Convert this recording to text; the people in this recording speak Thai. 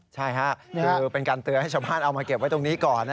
ใช่ค่ะคือเป็นการเตือนให้ชาวบ้านเอามาเก็บไว้ตรงนี้ก่อน